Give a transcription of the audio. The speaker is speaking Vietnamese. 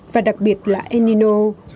và đặc biệt là el nino